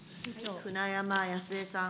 舟山康江さん。